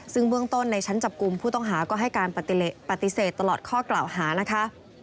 ซึ่งเบื้องต้นในชั้นจับกลุ่มผู้ต้องหาก็ให้การปฏิเสธตลอดข้อกล่าวหานะคะ